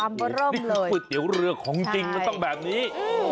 ห้ามปร่มเลยนี่คือเตี๋ยวเรือของจริงมันต้องแบบนี้